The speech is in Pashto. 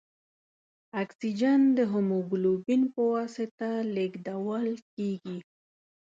اکسیجن د هیموګلوبین په واسطه لېږدوال کېږي.